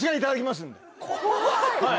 怖い。